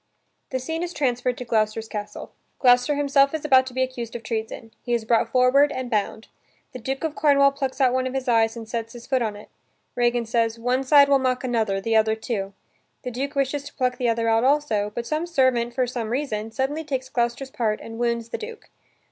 The scene is transferred to Gloucester's castle. Gloucester himself is about to be accused of treason. He is brought forward and bound. The Duke of Cornwall plucks out one of his eyes and sets his foot on it. Regan says, "One side will mock another; the other too." The Duke wishes to pluck the other out also, but some servant, for some reason, suddenly takes Gloucester's part and wounds the Duke.